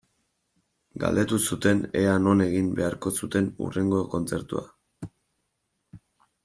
Galdetu zuten ea non egin beharko zuten hurrengo kontzertua.